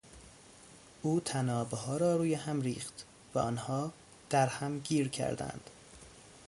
او طنابها را روی هم ریخت و آنها درهم گیر کردند.